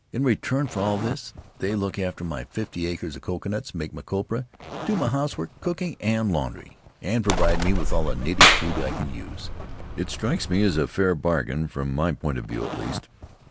In return for all this they look after my fifty acres of coconuts, make my copra, do my housework, cooking, and laundry, and provide me with all the native food I can use It strikes me as a fair bargain, from my point of view, at least.